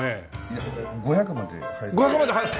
いや５００まで入る。